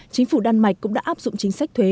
chính phủ đan mạch cũng đã áp dụng chính sách thuế